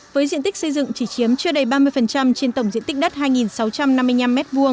với diện tích xây dựng chỉ chiếm chưa đầy ba mươi trên tổng diện tích đất hai sáu trăm năm mươi năm m hai